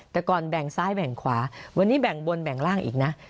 แต่ก่อนแบ่งซ้ายแบ่งขวาวันนี้แบ่งบนแบ่งล่างอีกนะ